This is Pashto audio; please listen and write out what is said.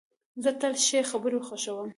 زه تل ښې خبري خوښوم.